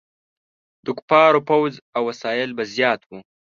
د کفارو فوځ او وسایل به زیات وو.